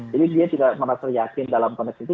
jadi dia tidak merasa yakin dalam konteks itu